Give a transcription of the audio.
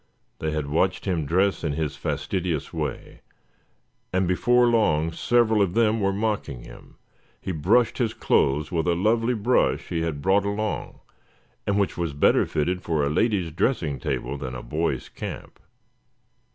They had watched him dress in his fastidious way, and before long several of them were mocking him. He brushed his clothes with a lovely brush he had brought along, and which was better fitted for a lady's dressing table than a boys' camp.